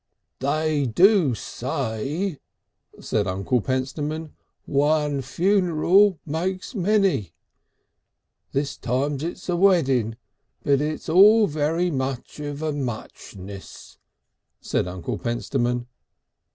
"They do say," said Uncle Pentstemon, "one funeral makes many. This time it's a wedding. But it's all very much of a muchness," said Uncle Pentstemon....